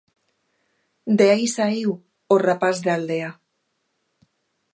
De aí saíu "O rapás da aldea".